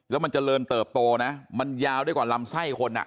แล้วมันเจริญเติบโตนะมันยาวได้กว่าลำไส้คนอ่ะ